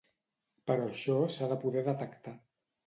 Però això s’ha de poder detectar.